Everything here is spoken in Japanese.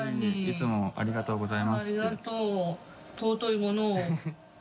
いつもありがとうございますって。